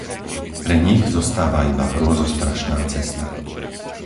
Pre nich zostáva iba hrôzostrašná cesta.